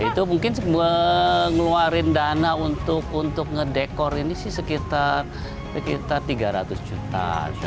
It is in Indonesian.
itu mungkin ngeluarin dana untuk ngedekor ini sih sekitar tiga ratus juta